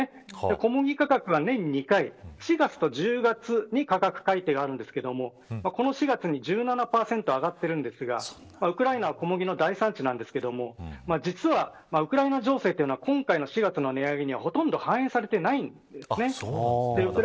小麦価格は年２回４月と１０月に価格改定がありますがこの４月１７％上がっているんですがウクライナは小麦の大産地なんですが実はウクライナ情勢は今回の４月の値上げにはほとんど反映されてないんです。